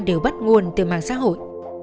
đều bắt nguồn từ mạng xã hội